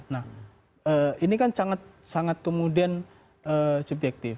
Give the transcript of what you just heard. nah ini kan sangat kemudian subjektif